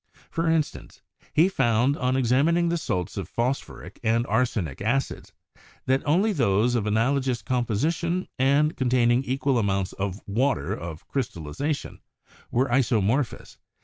For instance, he found, on examining the salts of phosphoric and arsenic acids, that only those of analogous composi tion and containing equal amounts of water of crystalliza tion were isomorphous.